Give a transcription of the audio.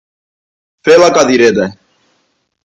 Fer la cadireta.